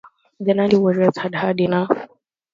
The Nandi warriors had had enough.